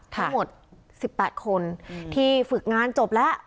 ทั้งหมด๑๘คนที่ฝึกงานจบแล้ว